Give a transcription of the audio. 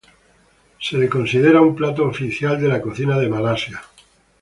Es considerado un plato oficial de la cocina de Malasia.